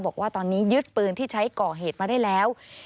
บอกว่าตอนนี้ยึดปืนที่ใช้ก่อเหตุมาได้แล้ว